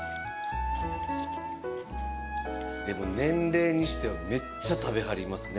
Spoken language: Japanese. でも年齢にしてはめっちゃ食べはりますね。